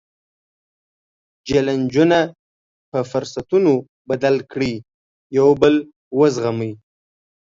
جیلنجونه په فرصتونو بدل کړئ، یو بل وزغمئ.